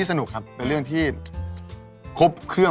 โอ้โฮไอ้ไอ้เมื่อกี้แล้วหลัง